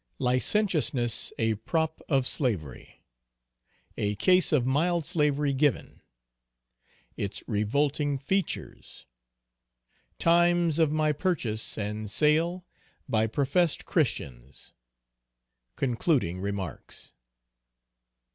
Licentiousness a prop of slavery. A case of mild slavery given. Its revolting features. Times of my purchase and sale by professed Christians. Concluding remarks.